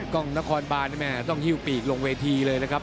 กล้องนครบานแม่ต้องฮิ้วปีกลงเวทีเลยนะครับ